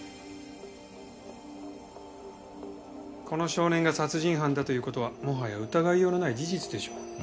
この少年が殺人犯だという事はもはや疑いようのない事実でしょう。